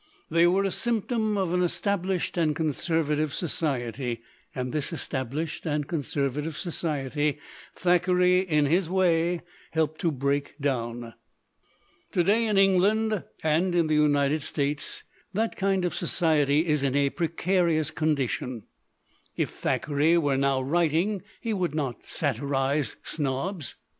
They were a symptom of an established and conservative society. And this established and conservative society Thackeray in his way helped to break down. " To day, in England and in the United States, that kind of society is in a precarious condition. If Thackeray were now writing, he would not satirize snobs.